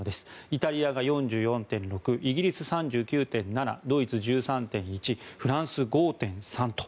イタリアが４４．６イギリス、３９．７ドイツ、１３．１フランス、５．３と。